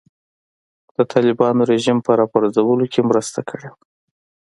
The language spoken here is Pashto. د طالبانو رژیم په راپرځولو کې مرسته کړې وه.